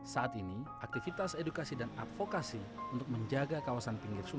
saat ini aktivitas edukasi dan advokasi untuk menjaga kawasan pinggir sungai